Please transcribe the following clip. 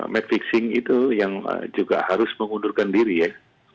metfixing itu yang juga harus mengundurkan diri ya